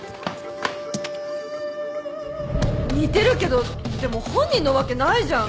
似てるけどでも本人なわけないじゃん。